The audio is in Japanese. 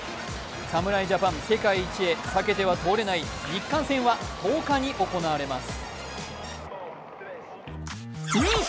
侍ジャパン、世界一へ避けては通れない日韓戦は１０日に行われます。